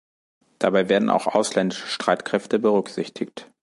Dabei werden auch ausländische Streitkräfte berücksichtigt.